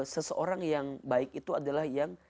seseorang yang baik itu adalah yang